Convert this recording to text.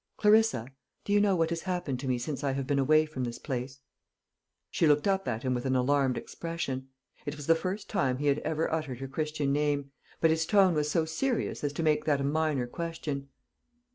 "Clarissa, do you know what has happened to me since I have been away from this place?" She looked up at him with an alarmed expression. It was the first time he had ever uttered her Christian name, but his tone was so serious as to make that a minor question.